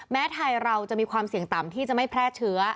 แม้ไทยเราจะมีความเสี่ยงต่ำที่จะไม่แพร่เชื้อ